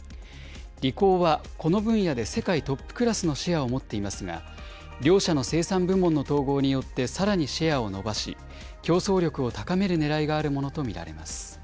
リコーは、この分野で世界トップクラスのシェアを持っていますが、両社の生産部門の統合によって、さらにシェアを伸ばし、競争力を高めるねらいがあるものと見られます。